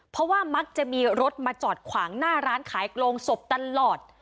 เพราะว่ามักจะมีรถมาจอดขวางหน้าร้านขายโรงศพตลอด